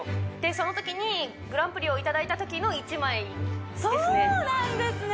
そのときにグランプリを頂いたときの一枚ですねそうなんですね